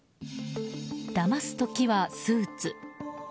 だますときはスーツ。